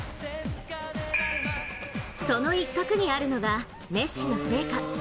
その一角にあるのがメッシの生家。